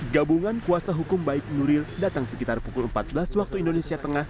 gabungan kuasa hukum baik nuril datang sekitar pukul empat belas waktu indonesia tengah